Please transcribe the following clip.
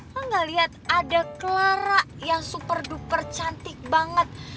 hah gak lihat ada clara yang super duper cantik banget